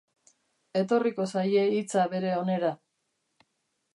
Etorriko zaie hitza bere onera.